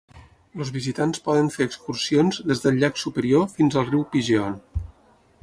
Els visitants poden fer excursions des del llac Superior fins al riu Pigeon.